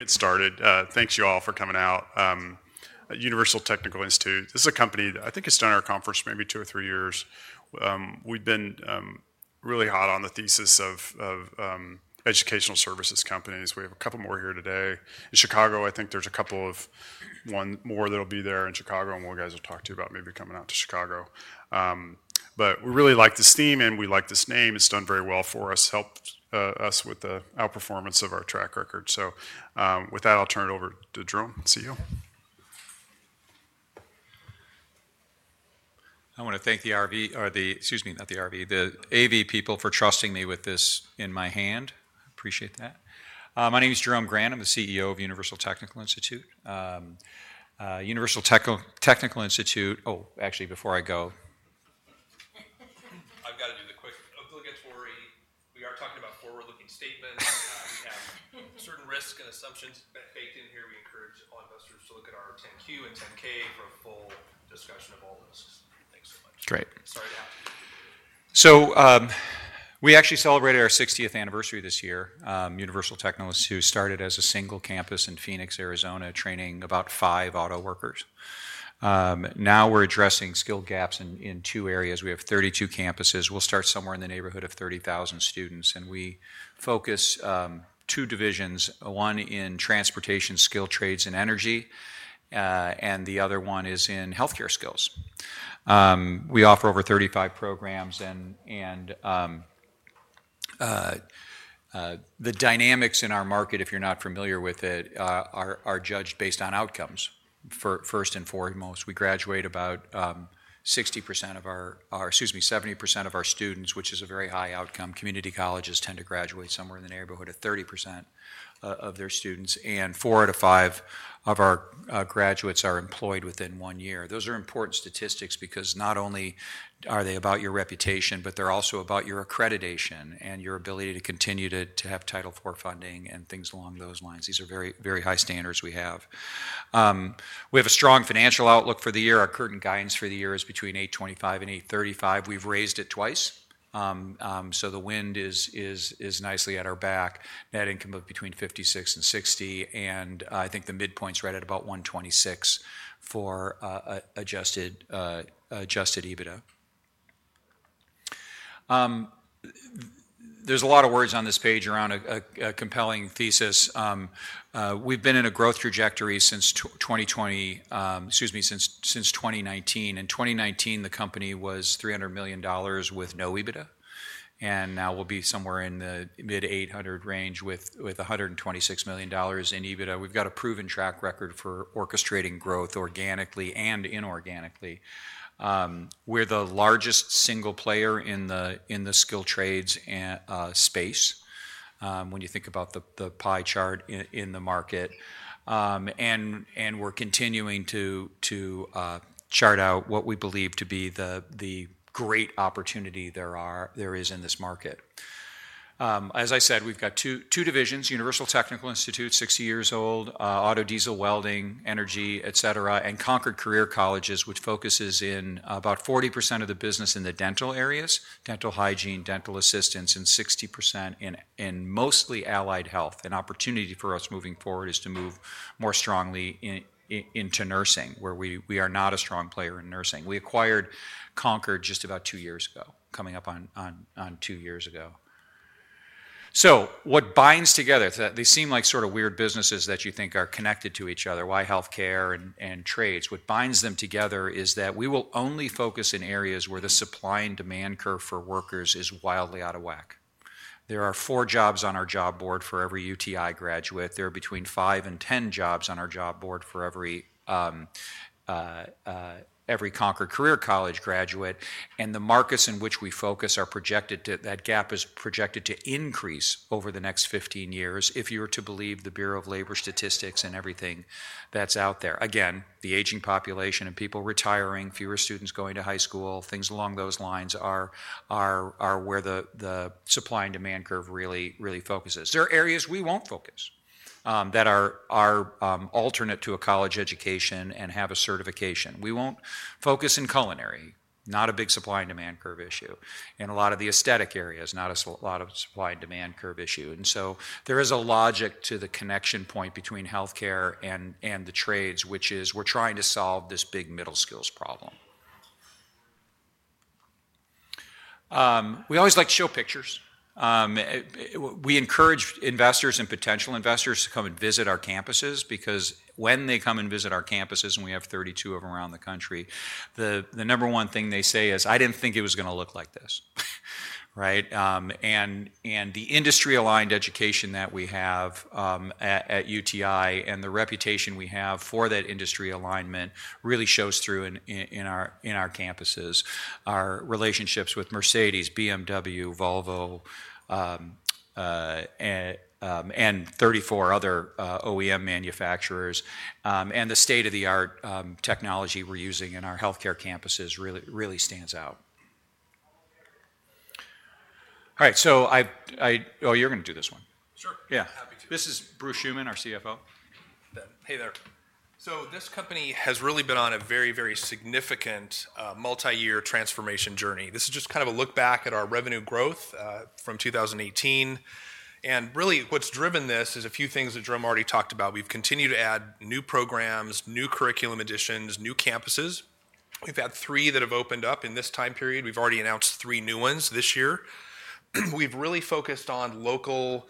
It started. Thanks, you all, for coming out. Universal Technical Institute, this is a company that I think has done our conference for maybe two or three years. We've been really hot on the thesis of educational services companies. We have a couple more here today. In Chicago, I think there's a couple of one more that'll be there in Chicago, and we'll guys will talk to you about maybe coming out to Chicago. But we really like this theme, and we like this name. It's done very well for us, helped us with the outperformance of our track record. With that, I'll turn it over to Jerome, CEO. I want to thank the AV people for trusting me with this in my hand. I appreciate that. My name is Jerome Grant. I'm the CEO of Universal Technical Institute. Universal Technical Institute, oh, actually, before I go. I've got to do the quick obligatory. We are talking about forward-looking statements. We have certain risks and assumptions baked in here. We encourage all investors to look at our 10-Q and 10-K for a full discussion of all risks. Thanks so much. Great. Sorry to have to be here today. We actually celebrated our 60th anniversary this year. Universal Technical Institute started as a single campus in Phoenix, Arizona, training about five auto workers. Now we're addressing skill gaps in two areas. We have 32 campuses. We'll start somewhere in the neighborhood of 30,000 students. We focus on two divisions, one in transportation skill, trades, and energy, and the other one is in healthcare skills. We offer over 35 programs, and the dynamics in our market, if you're not familiar with it, are judged based on outcomes first and foremost. We graduate about 60%, excuse me, 70% of our students, which is a very high outcome. Community colleges tend to graduate somewhere in the neighborhood of 30% of their students, and four out of five of our graduates are employed within one year. Those are important statistics because not only are they about your reputation, but they're also about your accreditation and your ability to continue to have Title IV funding and things along those lines. These are very, very high standards we have. We have a strong financial outlook for the year. Our current guidance for the year is between $825 million and $835 million. We've raised it twice. The wind is nicely at our back. Net income of between $56 million and $60 million, and I think the midpoint's right at about $126 million for adjusted EBITDA. There's a lot of words on this page around a compelling thesis. We've been in a growth trajectory since 2020, excuse me, since 2019. In 2019, the company was $300 million with no EBITDA, and now we'll be somewhere in the mid $800 million range with $126 million in EBITDA. We've got a proven track record for orchestrating growth organically and inorganically. We're the largest single player in the skilled trades space when you think about the pie chart in the market, and we're continuing to chart out what we believe to be the great opportunity there is in this market. As I said, we've got two divisions: Universal Technical Institute, 60 years old, auto, diesel, welding, energy, etc., and Concord Career Colleges, which focuses in about 40% of the business in the dental areas, dental hygiene, dental assistance, and 60% in mostly allied health. An opportunity for us moving forward is to move more strongly into nursing, where we are not a strong player in nursing. We acquired Concord just about two years ago, coming up on two years ago. What binds together is that they seem like sort of weird businesses that you think are connected to each other, why healthcare and trades. What binds them together is that we will only focus in areas where the supply and demand curve for workers is wildly out of whack. There are four jobs on our job board for every UTI graduate. There are between five and 10 jobs on our job board for every Concorde Career Colleges graduate, and the markets in which we focus are projected to, that gap is projected to increase over the next 15 years if you were to believe the Bureau of Labor Statistics and everything that's out there. Again, the aging population and people retiring, fewer students going to high school, things along those lines are where the supply and demand curve really, really focuses. There are areas we won't focus that are alternate to a college education and have a certification. We won't focus in culinary, not a big supply and demand curve issue, and a lot of the aesthetic areas, not a lot of supply and demand curve issue. There is a logic to the connection point between healthcare and the trades, which is we're trying to solve this big middle skills problem. We always like to show pictures. We encourage investors and potential investors to come and visit our campuses because when they come and visit our campuses, and we have 32 of them around the country, the number one thing they say is, "I didn't think it was going to look like this." Right? The industry-aligned education that we have at UTI and the reputation we have for that industry alignment really shows through in our campuses. Our relationships with Mercedes, BMW, Volvo, and 34 other OEM manufacturers, and the state-of-the-art technology we're using in our healthcare campuses really stands out. All right, so I—oh, you're going to do this one. Sure. Yeah. This is Bruce Schuman, our CFO. Hey there. This company has really been on a very, very significant multi-year transformation journey. This is just kind of a look back at our revenue growth from 2018. Really, what's driven this is a few things that Jerome already talked about. We've continued to add new programs, new curriculum additions, new campuses. We've had three that have opened up in this time period. We've already announced three new ones this year. We've really focused on local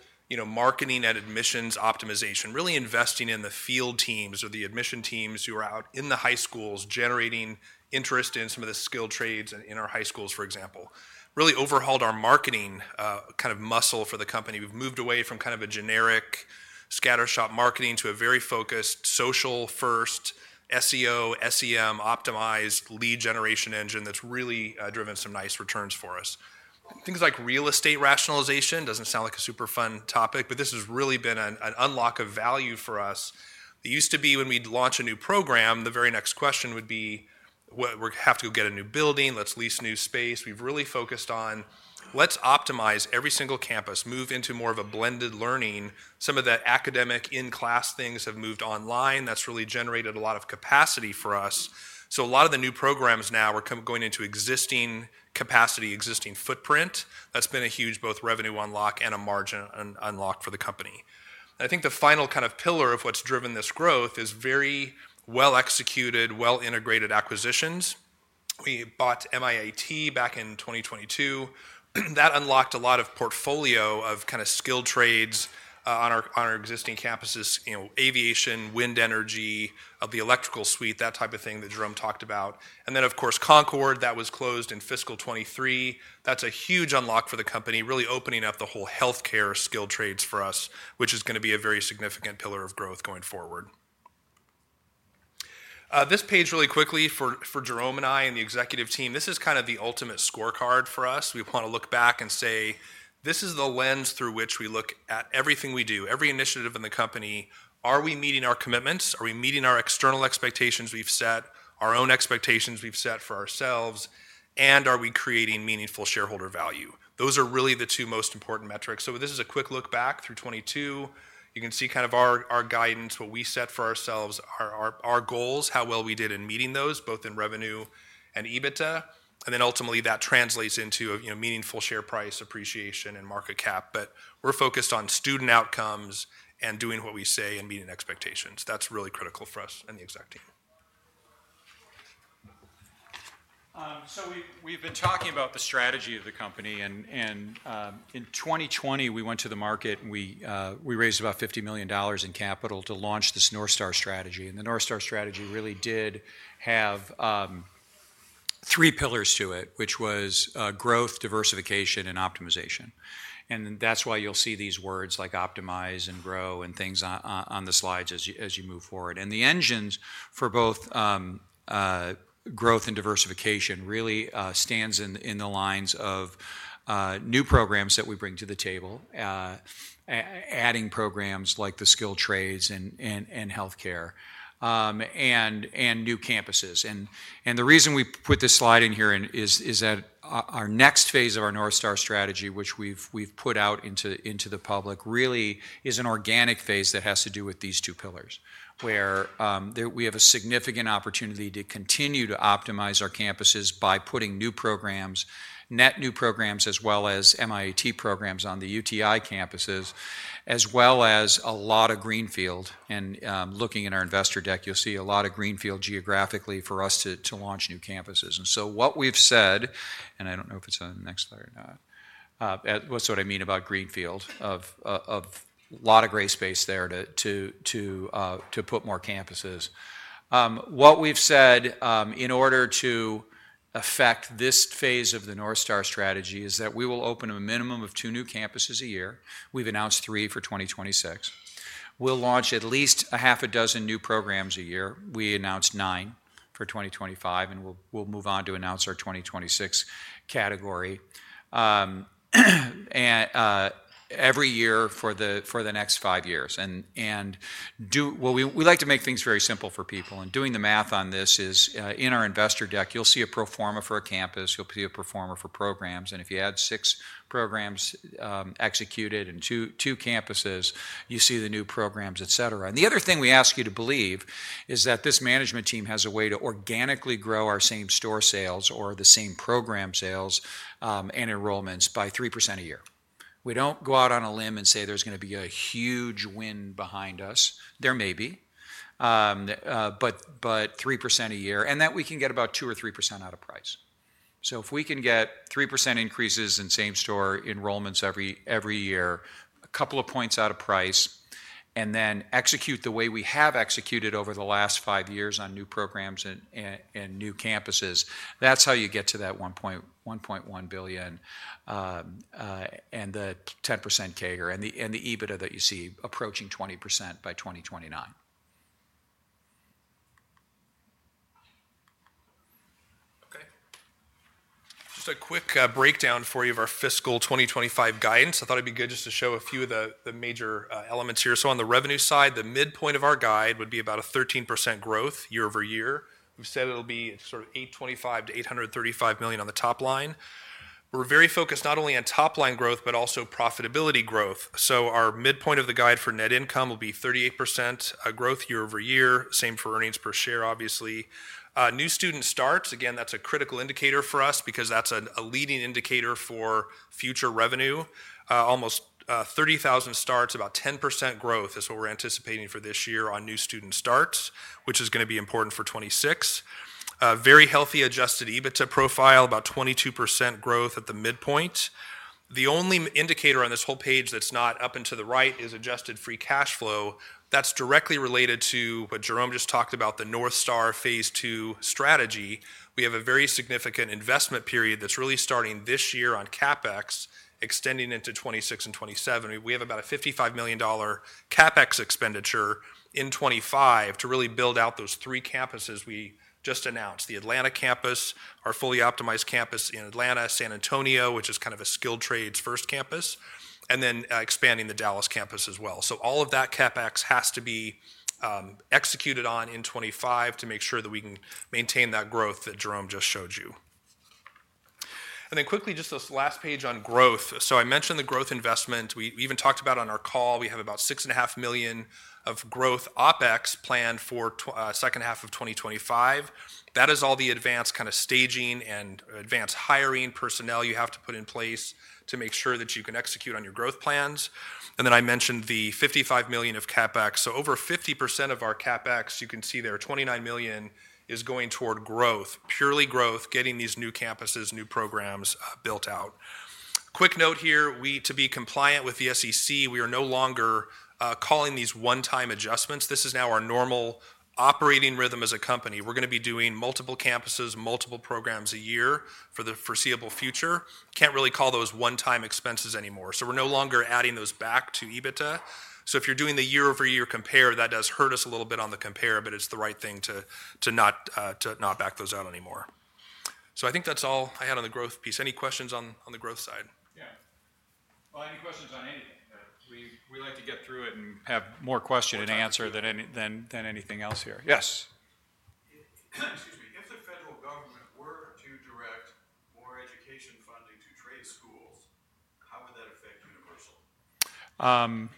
marketing and admissions optimization, really investing in the field teams or the admission teams who are out in the high schools, generating interest in some of the skilled trades in our high schools, for example. Really overhauled our marketing kind of muscle for the company. We've moved away from kind of a generic scattershot marketing to a very focused social-first SEO, SEM-optimized lead generation engine that's really driven some nice returns for us. Things like real estate rationalization doesn't sound like a super fun topic, but this has really been an unlock of value for us. It used to be when we'd launch a new program, the very next question would be, "We have to go get a new building. Let's lease new space." We've really focused on, "Let's optimize every single campus, move into more of a blended learning." Some of the academic in-class things have moved online. That's really generated a lot of capacity for us. A lot of the new programs now are going into existing capacity, existing footprint. That's been a huge both revenue unlock and a margin unlock for the company. I think the final kind of pillar of what's driven this growth is very well-executed, well-integrated acquisitions. We bought MMI back in 2022. That unlocked a lot of portfolio of kind of skilled trades on our existing campuses: aviation, wind energy, the electrical suite, that type of thing that Jerome talked about. Of course, Concorde that was closed in fiscal 2023. That's a huge unlock for the company, really opening up the whole healthcare skilled trades for us, which is going to be a very significant pillar of growth going forward. This page, really quickly, for Jerome and I and the executive team, this is kind of the ultimate scorecard for us. We want to look back and say, "This is the lens through which we look at everything we do, every initiative in the company. Are we meeting our commitments? Are we meeting our external expectations we've set, our own expectations we've set for ourselves? Are we creating meaningful shareholder value? Those are really the two most important metrics. This is a quick look back through 2022. You can see kind of our guidance, what we set for ourselves, our goals, how well we did in meeting those, both in revenue and EBITDA. Ultimately, that translates into a meaningful share price appreciation and market cap. We're focused on student outcomes and doing what we say and meeting expectations. That's really critical for us and the exec team. We've been talking about the strategy of the company. In 2020, we went to the market. We raised about $50 million in capital to launch this Northstar strategy. The Northstar strategy really did have three pillars to it, which was growth, diversification, and optimization. You'll see these words like optimize and grow and things on the slides as you move forward. The engines for both growth and diversification really stand in the lines of new programs that we bring to the table, adding programs like the skilled trades and healthcare, and new campuses. The reason we put this slide in here is that our next phase of our Northstar strategy, which we've put out into the public, really is an organic phase that has to do with these two pillars, where we have a significant opportunity to continue to optimize our campuses by putting new programs, net new programs, as well as MIT programs on the UTI campuses, as well as a lot of greenfield. Looking at our investor deck, you'll see a lot of greenfield geographically for us to launch new campuses. What we've said, and I do not know if it is on the next slide or not, what I mean about greenfield, a lot of gray space there to put more campuses. What we've said in order to affect this phase of the Northstar Strategy is that we will open a minimum of two new campuses a year. We have announced three for 2026. We will launch at least six new programs a year. We announced nine for 2025, and we will move on to announce our 2026 category every year for the next five years. We like to make things very simple for people. Doing the math on this, in our investor deck, you will see a proforma for a campus. You will see a proforma for programs. If you add six programs executed and two campuses, you see the new programs, etc. The other thing we ask you to believe is that this management team has a way to organically grow our same store sales or the same program sales and enrollments by 3% a year. We do not go out on a limb and say there is going to be a huge win behind us. There may be, but 3% a year, and that we can get about 2% or 3% out of price. If we can get 3% increases in same store enrollments every year, a couple of points out of price, and then execute the way we have executed over the last five years on new programs and new campuses, that is how you get to that $1.1 billion and the 10% CAGR and the EBITDA that you see approaching 20% by 2029. Okay. Just a quick breakdown for you of our fiscal 2025 guidance. I thought it'd be good just to show a few of the major elements here. On the revenue side, the midpoint of our guide would be about a 13% growth year over year. We've said it'll be sort of $825 million-$835 million on the top line. We're very focused not only on top-line growth, but also profitability growth. Our midpoint of the guide for net income will be 38% growth year over year, same for earnings per share, obviously. New student starts, again, that's a critical indicator for us because that's a leading indicator for future revenue. Almost 30,000 starts, about 10% growth is what we're anticipating for this year on new student starts, which is going to be important for 2026. Very healthy adjusted EBITDA profile, about 22% growth at the midpoint. The only indicator on this whole page that's not up and to the right is adjusted free cash flow. That's directly related to what Jerome just talked about, the Northstar phase two strategy. We have a very significant investment period that's really starting this year on CapEx, extending into 2026 and 2027. We have about a $55 million CapEx expenditure in 2025 to really build out those three campuses we just announced: the Atlanta campus, our fully optimized campus in Atlanta, San Antonio, which is kind of a skilled trades first campus, and then expanding the Dallas campus as well. All of that CapEx has to be executed on in 2025 to make sure that we can maintain that growth that Jerome just showed you. Quickly, just this last page on growth. I mentioned the growth investment. We even talked about on our call, we have about $6.5 million of growth OpEx planned for the second half of 2025. That is all the advanced kind of staging and advanced hiring personnel you have to put in place to make sure that you can execute on your growth plans. I mentioned the $55 million of CapEx. Over 50% of our CapEx, you can see there, $29 million is going toward growth, purely growth, getting these new campuses, new programs built out. Quick note here, to be compliant with the SEC, we are no longer calling these one-time adjustments. This is now our normal operating rhythm as a company. We are going to be doing multiple campuses, multiple programs a year for the foreseeable future. Cannot really call those one-time expenses anymore. We are no longer adding those back to EBITDA. If you're doing the year-over-year compare, that does hurt us a little bit on the compare, but it's the right thing to not back those out anymore. I think that's all I had on the growth piece. Any questions on the growth side? Yeah. Any questions on anything? We like to get through it and have more question and answer than anything else here. Yes. Excuse me. If the federal government were to direct more education funding to trade schools, how would that affect Universal?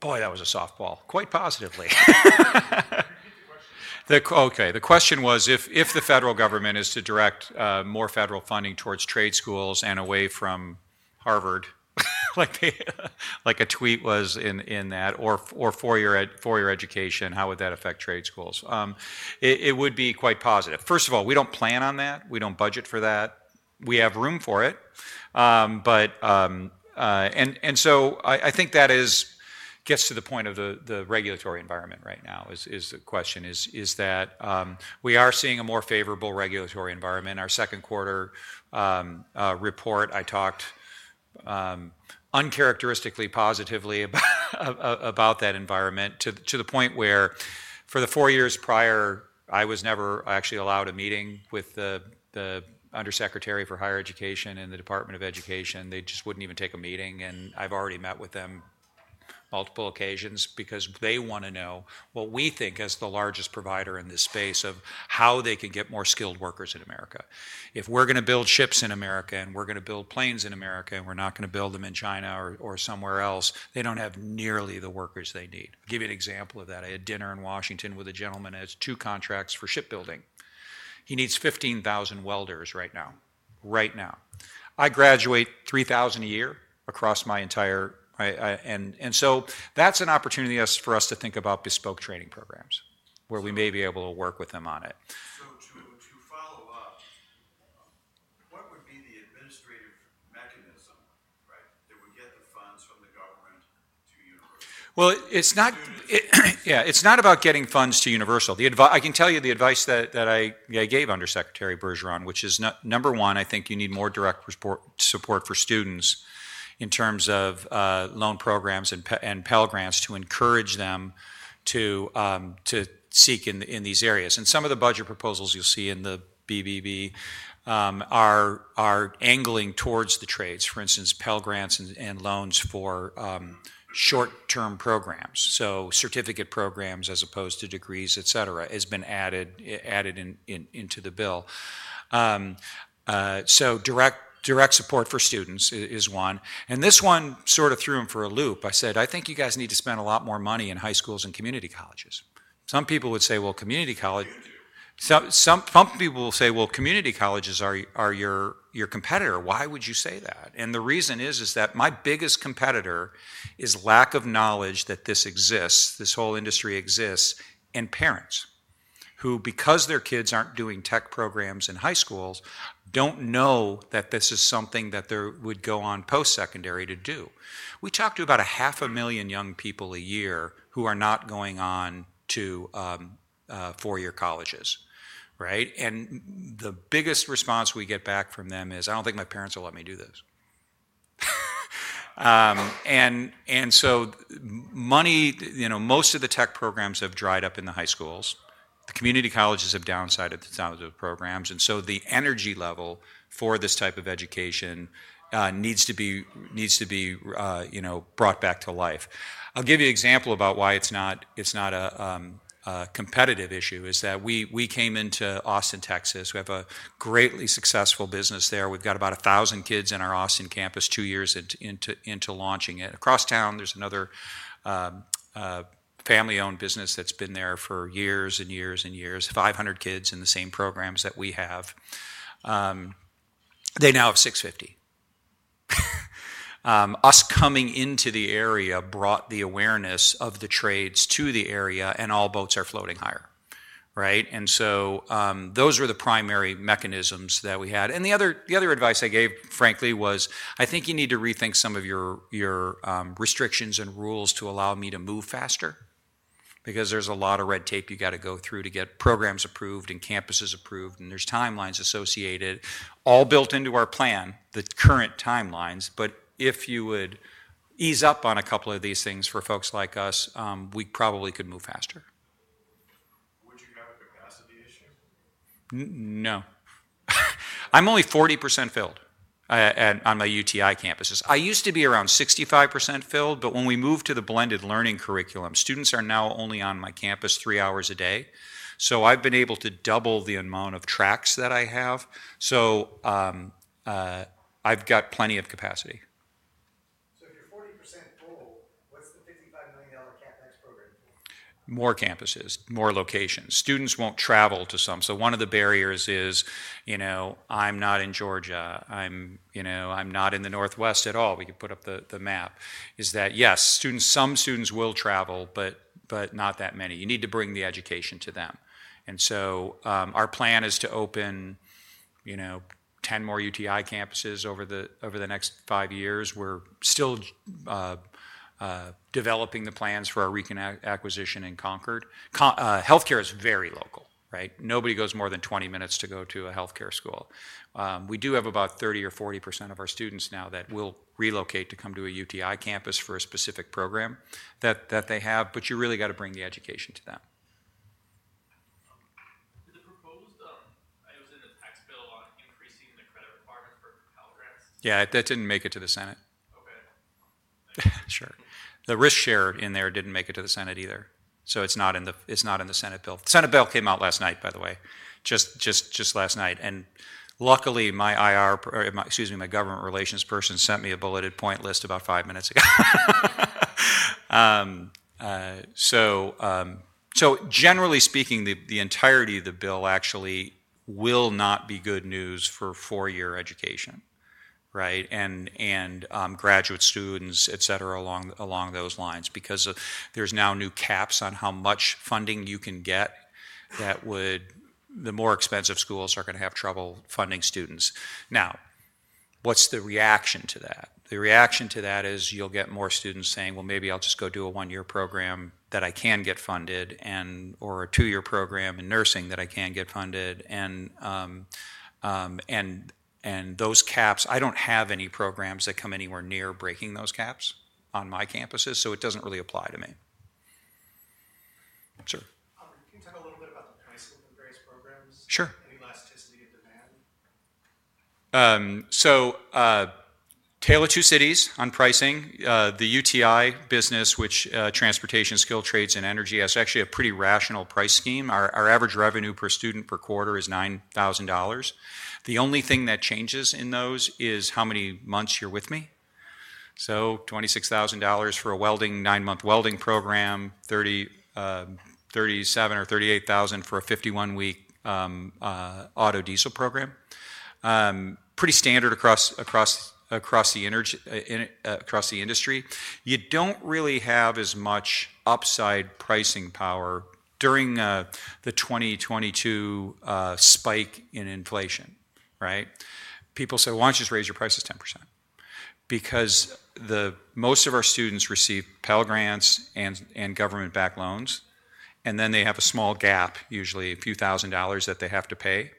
Boy, that was a softball. Quite positively. Repeat the question. Okay. The question was, if the federal government is to direct more federal funding towards trade schools and away from Harvard, like a tweet was in that, or four-year education, how would that affect trade schools? It would be quite positive. First of all, we don't plan on that. We don't budget for that. We have room for it. I think that gets to the point of the regulatory environment right now is the question: is that we are seeing a more favorable regulatory environment? Our second quarter report, I talked uncharacteristically positively about that environment to the point where for the four years prior, I was never actually allowed a meeting with the undersecretary for higher education in the Department of Education. They just wouldn't even take a meeting. I've already met with them on multiple occasions because they want to know what we think as the largest provider in this space of how they can get more skilled workers in America. If we're going to build ships in America and we're going to build planes in America and we're not going to build them in China or somewhere else, they do not have nearly the workers they need. I'll give you an example of that. I had dinner in Washington with a gentleman that has two contracts for shipbuilding. He needs 15,000 welders right now. Right now. I graduate 3,000 a year across my entire—and so that's an opportunity for us to think about bespoke training programs where we may be able to work with them on it. To follow up, what would be the administrative mechanism that would get the funds from the government to Universal? Yeah, it's not about getting funds to Universal. I can tell you the advice that I gave Under Secretary Bergeron, which is, number one, I think you need more direct support for students in terms of loan programs and Pell Grants to encourage them to seek in these areas. Some of the budget proposals you'll see in the BBB are angling towards the trades. For instance, Pell Grants and loans for short-term programs, so certificate programs as opposed to degrees, etc., has been added into the bill. Direct support for students is one. This one sort of threw him for a loop. I said, "I think you guys need to spend a lot more money in high schools and community colleges." Some people would say, "Well, community college. They do. Some people will say, "Well, community colleges are your competitor." Why would you say that? The reason is that my biggest competitor is lack of knowledge that this exists, this whole industry exists, and parents who, because their kids aren't doing tech programs in high schools, don't know that this is something that they would go on post-secondary to do. We talk to about 500,000 young people a year who are not going on to four-year colleges. The biggest response we get back from them is, "I don't think my parents will let me do this." Money, most of the tech programs have dried up in the high schools. The community colleges have downsized the programs. The energy level for this type of education needs to be brought back to life. I'll give you an example about why it's not a competitive issue, is that we came into Austin, Texas. We have a greatly successful business there. We've got about 1,000 kids in our Austin campus two years into launching it. Across town, there's another family-owned business that's been there for years and years and years. 500 kids in the same programs that we have. They now have 650. Us coming into the area brought the awareness of the trades to the area, and all boats are floating higher. Those were the primary mechanisms that we had. The other advice I gave, frankly, was, "I think you need to rethink some of your restrictions and rules to allow me to move faster," because there's a lot of red tape you got to go through to get programs approved and campuses approved. There are timelines associated, all built into our plan, the current timelines. If you would ease up on a couple of these things for folks like us, we probably could move faster. Would you have a capacity issue? No. I'm only 40% filled on my UTI campuses. I used to be around 65% filled, but when we moved to the blended learning curriculum, students are now only on my campus three hours a day. I've been able to double the amount of tracks that I have. I've got plenty of capacity. If you're 40% full, what's the $55 million CapEx program for? More campuses, more locations. Students won't travel to some. One of the barriers is, "I'm not in Georgia. I'm not in the northwest at all," we can put up the map, is that, yes, some students will travel, but not that many. You need to bring the education to them. Our plan is to open 10 more UTI campuses over the next five years. We're still developing the plans for our recent acquisition in Concord. Healthcare is very local. Nobody goes more than 20 minutes to go to a healthcare school. We do have about 30-40% of our students now that will relocate to come to a UTI campus for a specific program that they have. You really got to bring the education to them. Did the proposed—I was in a tax bill on increasing the credit requirement for Pell Grants? Yeah, that didn't make it to the Senate. Okay. Sure. The risk share in there did not make it to the Senate either. It is not in the Senate bill. The Senate bill came out last night, by the way, just last night. Luckily, my IR—excuse me, my government relations person sent me a bulleted point list about five minutes ago. Generally speaking, the entirety of the bill actually will not be good news for four-year education and graduate students, etc., along those lines because there are now new caps on how much funding you can get that would—the more expensive schools are going to have trouble funding students. Now, what is the reaction to that? The reaction to that is you will get more students saying, "Maybe I will just go do a one-year program that I can get funded," or a two-year program in nursing that I can get funded. Those caps, I don't have any programs that come anywhere near breaking those caps on my campuses, so it doesn't really apply to me. Sure. Can you talk a little bit about the pricing of various programs? Sure. Any elasticity of demand? Taylor, two cities on pricing. The UTI business, which is transportation, skilled trades, and energy, has actually a pretty rational price scheme. Our average revenue per student per quarter is $9,000. The only thing that changes in those is how many months you're with me. $26,000 for a nine-month welding program, $37,000 or $38,000 for a 51-week auto diesel program. Pretty standard across the industry. You do not really have as much upside pricing power during the 2022 spike in inflation. People say, "Why do you not just raise your prices 10%?" Because most of our students receive Pell Grants and government-backed loans, and then they have a small gap, usually a few thousand dollars that they have to pay.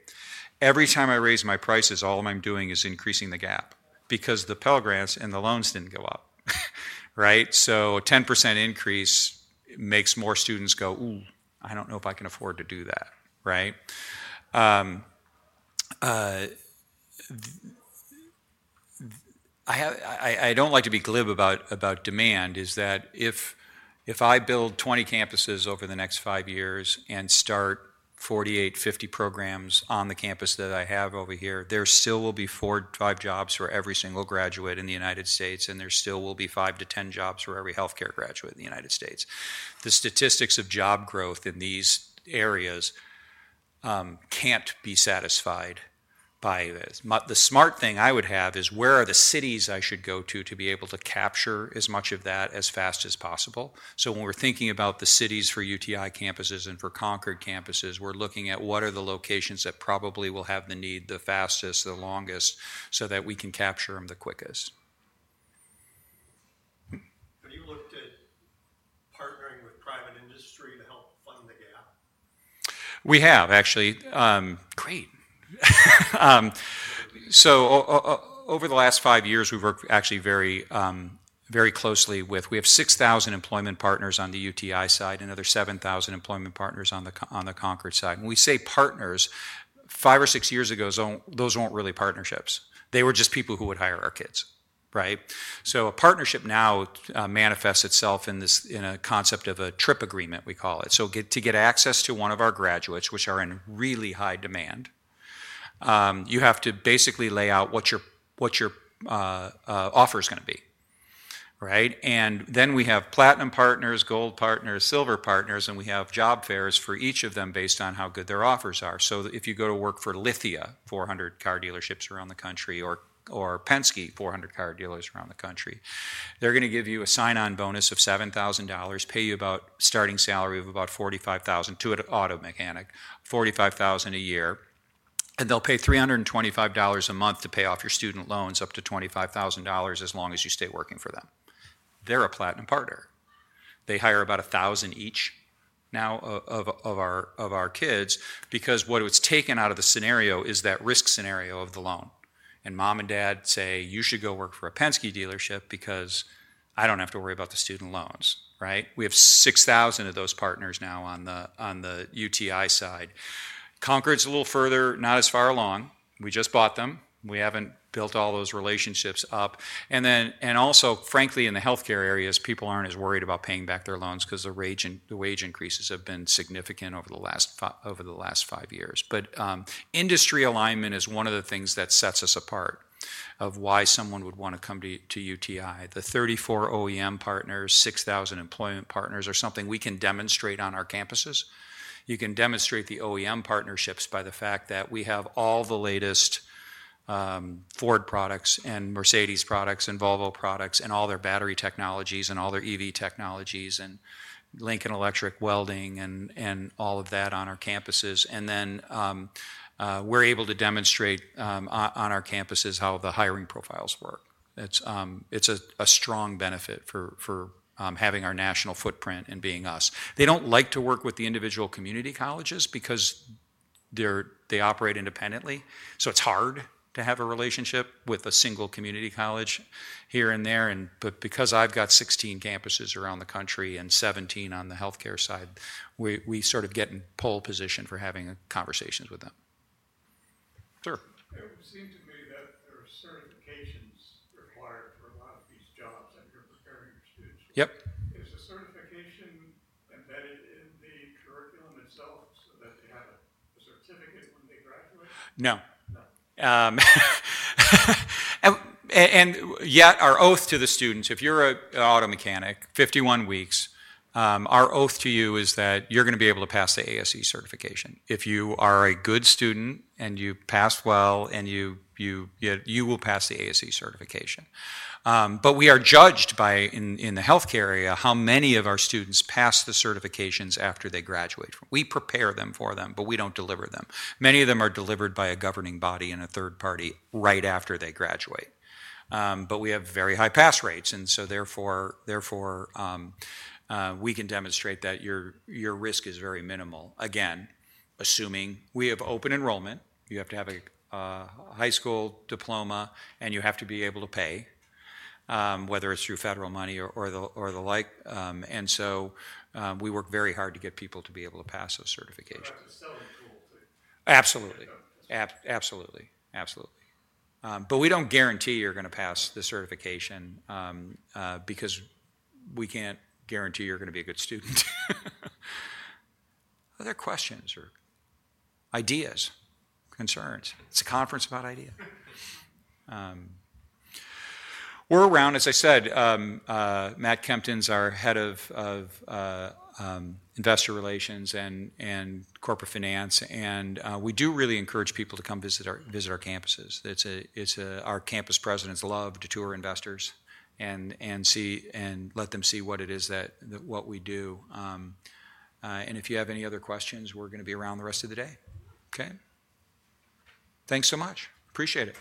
Every time I raise my prices, all I am doing is increasing the gap because the Pell Grants and the loans did not go up. A 10% increase makes more students go, "Ooh, I do not know if I can afford to do that." I do not like to be glib about demand, is that if I build 20 campuses over the next five years and start 48-50 programs on the campus that I have over here, there still will be four to five jobs for every single graduate in the United States, and there still will be five to ten jobs for every healthcare graduate in the United States. The statistics of job growth in these areas cannot be satisfied by this. The smart thing I would have is, where are the cities I should go to to be able to capture as much of that as fast as possible? When we're thinking about the cities for UTI campuses and for Concorde campuses, we're looking at what are the locations that probably will have the need the fastest, the longest, so that we can capture them the quickest. Have you looked at partnering with private industry to help fund the gap? We have, actually. Great. Over the last five years, we've worked actually very closely with—we have 6,000 employment partners on the UTI side and another 7,000 employment partners on the Concorde side. When we say partners, five or six years ago, those were not really partnerships. They were just people who would hire our kids. A partnership now manifests itself in a concept of a trip agreement, we call it. To get access to one of our graduates, which are in really high demand, you have to basically lay out what your offer is going to be. We have platinum partners, gold partners, silver partners, and we have job fairs for each of them based on how good their offers are. If you go to work for Lithia, 400 car dealerships around the country, or Penske, 400 car dealers around the country, they're going to give you a sign-on bonus of $7,000, pay you about a starting salary of about $45,000 to an auto mechanic, $45,000 a year. They'll pay $325 a month to pay off your student loans up to $25,000 as long as you stay working for them. They're a platinum partner. They hire about 1,000 each now of our kids because what it's taken out of the risk scenario of the loan. Mom and dad say, "You should go work for a Penske dealership because I don't have to worry about the student loans." We have 6,000 of those partners now on the UTI side. Concorde's a little further, not as far along. We just bought them. We haven't built all those relationships up. Frankly, in the healthcare areas, people are not as worried about paying back their loans because the wage increases have been significant over the last five years. Industry alignment is one of the things that sets us apart of why someone would want to come to UTI. The 34 OEM partners, 6,000 employment partners are something we can demonstrate on our campuses. You can demonstrate the OEM partnerships by the fact that we have all the latest Ford products and Mercedes products and Volvo products and all their battery technologies and all their EV technologies and Lincoln Electric welding and all of that on our campuses. We are able to demonstrate on our campuses how the hiring profiles work. It is a strong benefit for having our national footprint and being us. They do not like to work with the individual community colleges because they operate independently. It's hard to have a relationship with a single community college here and there. But because I've got 16 campuses around the country and 17 on the healthcare side, we sort of get in pole position for having conversations with them. Sure. It would seem to me that there are certifications required for a lot of these jobs that you're preparing your students for. Is the certification embedded in the curriculum itself so that they have a certificate when they graduate? No. Yet, our oath to the students, if you're an auto mechanic, 51 weeks, our oath to you is that you're going to be able to pass the ASE certification. If you are a good student and you pass well, you will pass the ASE certification. We are judged in the healthcare area by how many of our students pass the certifications after they graduate. We prepare them for them, but we do not deliver them. Many of them are delivered by a governing body and a third party right after they graduate. We have very high pass rates. Therefore, we can demonstrate that your risk is very minimal. Again, assuming we have open enrollment, you have to have a high school diploma, and you have to be able to pay, whether it is through federal money or the like. We work very hard to get people to be able to pass those certifications. That's a selling tool, too. Absolutely. Absolutely. But we don't guarantee you're going to pass the certification because we can't guarantee you're going to be a good student. Other questions or ideas, concerns? It's a conference about ideas. We're around, as I said, Matt Kempton is our Head of Investor Relations and Corporate Finance. We do really encourage people to come visit our campuses. Our campus presidents love to tour investors and let them see what it is that we do. If you have any other questions, we're going to be around the rest of the day. Okay? Thanks so much. Appreciate it.